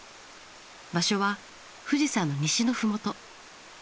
場所は富士山の西の麓。